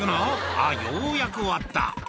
「あっようやく終わった」